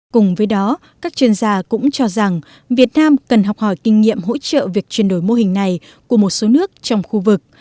cùng với đó các chuyên gia cũng cho rằng việt nam cần học hỏi kinh nghiệm hỗ trợ việc chuyển đổi mô hình này của một số nước trong khu vực